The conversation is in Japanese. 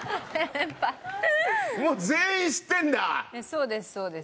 そうですそうです。